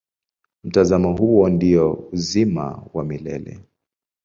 Mtazamo huo ndio uzima wa milele.